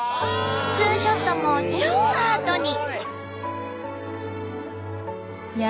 ツーショットも超アートに！